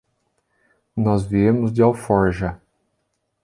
Nós viemos de Alforja.